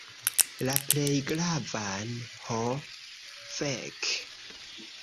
La plej gravan. Ho fek.